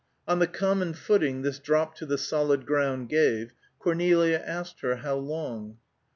On the common footing this drop to the solid ground gave, Cornelia asked her how long.